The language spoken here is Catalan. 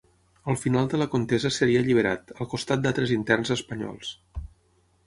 Al final de la contesa seria alliberat, al costat d'altres interns espanyols.